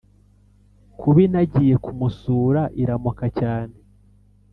Kubi nagiye kumusura iramoka cyane